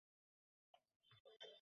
ভাবলাম ওদের সাথেই বেশি লাভ করবো।